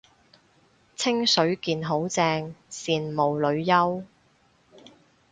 清水健好正，羨慕女優